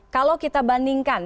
kalau kita bandingkan